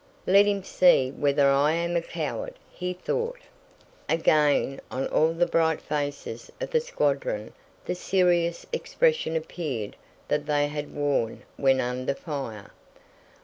"Let him see whether I am a coward!" he thought. Again on all the bright faces of the squadron the serious expression appeared that they had worn when under fire.